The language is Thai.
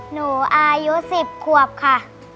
หนูอายุ๑๐ขวบค่ะ